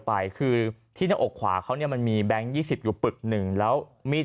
ไปคือที่หน้าอกขวาเขาเนี่ยมันมีแบงค์๒๐อยู่ปึกหนึ่งแล้วมีด